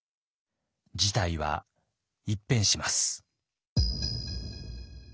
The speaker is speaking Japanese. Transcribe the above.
事態は一変します。